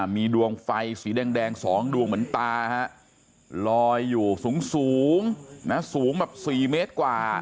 มีดวงไฟสีแดง๒ดวงเหมือนตาลอยอยู่สูงสูงแบบ๔เมตรกว่า